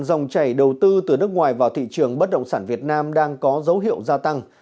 dòng chảy đầu tư từ nước ngoài vào thị trường bất động sản việt nam đang có dấu hiệu gia tăng